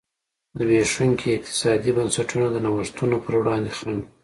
زبېښونکي اقتصادي بنسټونه د نوښتونو پر وړاندې خنډ و.